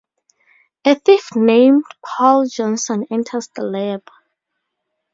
A thief named Paul Johnson enters the lab.